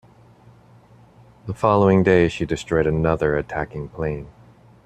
The following day she destroyed another attacking plane.